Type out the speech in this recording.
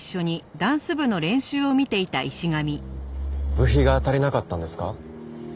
部費が足りなかったんですか？